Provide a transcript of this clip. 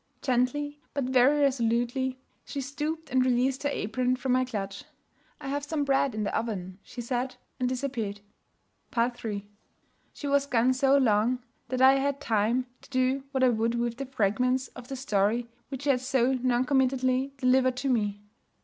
Gently, but very resolutely, she stooped and released her apron from my clutch. 'I've some bread in the oven,' she said, and disappeared. III She was gone so long that I had time to do what I would with the fragments of the story which she had so non committally delivered to me.